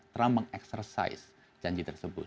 trump mengeksersis janji tersebut